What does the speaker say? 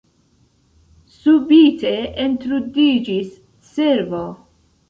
Subite entrudiĝis cervo.